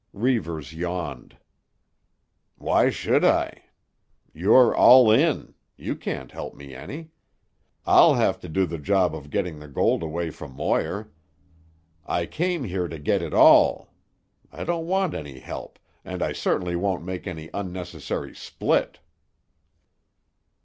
Reivers yawned. "Why should I? You're 'all in.' You can't help me any. I'll have to do the job of getting the gold away from Moir. I came here to get it all. I don't want any help, and I certainly won't make any unnecessary split."